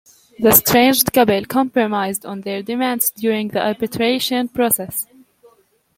The estranged couple compromised on their demands during the arbitration process.